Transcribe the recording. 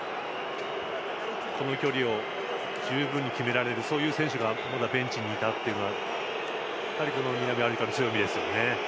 この距離を十分に決められるそういう選手がベンチにいたというのは南アフリカの強みですね。